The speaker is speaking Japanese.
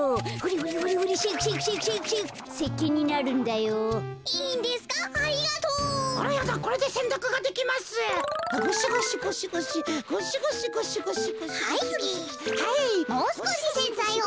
もうすこしせんざいを。